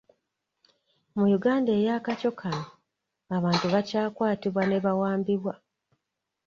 Mu Uganda eya kaco kano, abantu bakyakwatibwa ne bawambibwa.